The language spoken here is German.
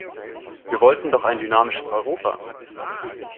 Wir wollten doch ein dynamisches Europa?